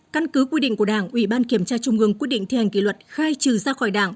căn cứ quy định của đảng ủy ban kiểm tra trung ương quy định thi hành kỷ luật khai trừ ra khỏi đảng